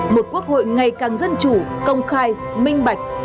một quốc hội ngày càng dân chủ công khai minh bạch